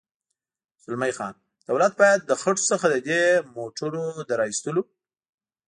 زلمی خان: دولت باید له خټو څخه د دې موټرو د را اېستلو.